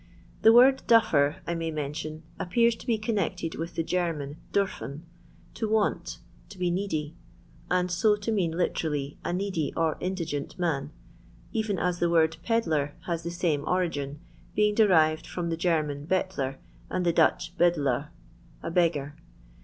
The word "Duffer," I may mention, appctti to be connected with the Qerman Durfen, to waa^ to be needy, and so to mean literally a needy ir indigent man, even as the word Pediar hat Iks same origin — being derived from tha GenuM Bcttler, and the Dutch Btdelaar—^i beggar.